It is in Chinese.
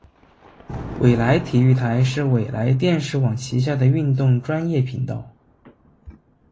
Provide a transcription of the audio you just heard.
纬来体育台是纬来电视网旗下的运动专业频道。